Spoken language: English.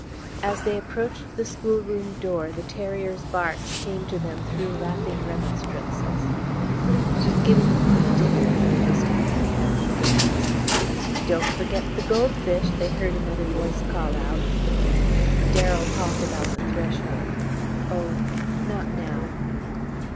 As they approached the school room door the terrier's barks came to them through laughing remonstrances. "She's giving him his dinner," Anna whispered, her hand in Darrow's. "Don't forget the gold fish!" they heard another voice call out. Darrow halted on the threshold. "Oh not now!"